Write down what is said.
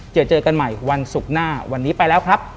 เจอเจอกันใหม่วันศุกร์หน้าวันนี้ไปแล้วครับ